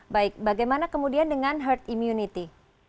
baik bagaimana kemudian dengan herd immunity